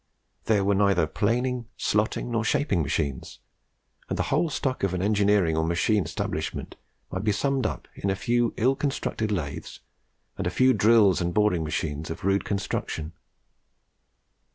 There were neither planing, slotting, nor shaping machines; and the whole stock of an engineering or machine establishment might be summed up in a few ill constructed lathes, and a few drills and boring machines of rude construction.